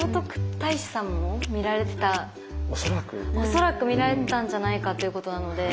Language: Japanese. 恐らく見られてたんじゃないかということなので。